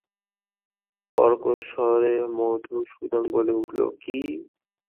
কর্কশস্বরে মধুসূদন বলে উঠল, কী!